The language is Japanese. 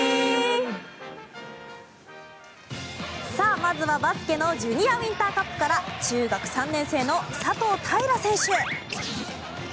まずはバスケのＪｒ．ウインターカップから中学３年生の佐藤汰頼選手。